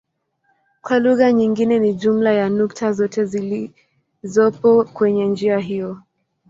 Kwa lugha nyingine ni jumla ya nukta zote zilizopo kwenye njia hiyo.